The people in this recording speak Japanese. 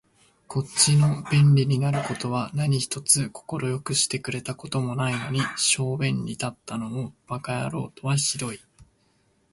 こっちの便利になる事は何一つ快くしてくれた事もないのに、小便に立ったのを馬鹿野郎とは酷い